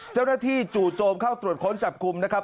เจ้าหน้าที่จู่โจมเข้าตรวจค้นจับคุมนะครับ